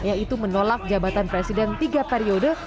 yaitu menolak jabatan presiden tiga periode